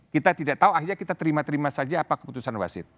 kita tidak tahu akhirnya kita terima terima saja apa keputusan wasit